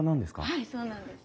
はいそうなんです。